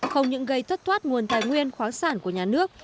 không những gây thất thoát nguồn tài nguyên khoáng sản của nhà nước